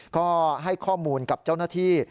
ก็ให้ข้อมูลกับเจ้าหน้าที่